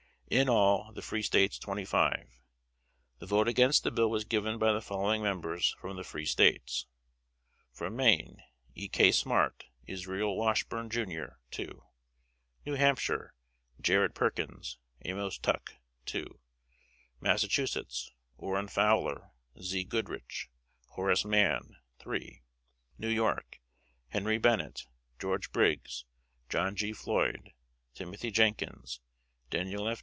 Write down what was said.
In all the free States twenty five. The vote against the bill was given by the following members, from the free States: From Maine: E. K. Smart, Israel Washburn, jr. 2. New Hampshire: Jared Perkins, Amos Tuck 2. Massachusetts: Orrin Fowler, Z. Goodrich, Horace Mann 3. New York: Henry Bennet, George Briggs, John G. Floyd, Timothy Jenkins, Daniel F.